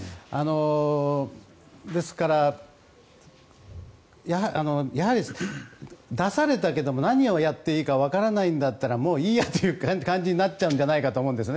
ですから、やはり出されたけども何をやっていいかわからないんだったらもういいやという感じになっちゃうと思うんです。